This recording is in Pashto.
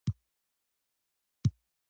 یعنې وکولای شي یوه ټاکنه ولري.